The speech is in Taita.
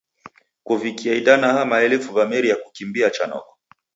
Kuvikia idanaha, maelfu w'amerie kukimbia cha noko.